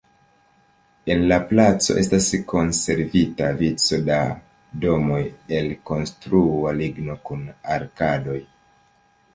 En la placo estas konservita vico da domoj el konstrua ligno kun arkadoj.